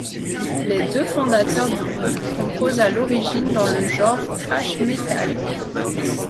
Les deux fondateurs du groupe composent à l'origine dans le genre thrash metal.